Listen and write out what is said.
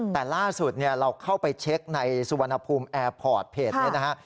แต่ล่าสุดเราเข้าไปเช็คในสุวรรณภูมิแอร์พอร์ตเพจนี้นะฮะ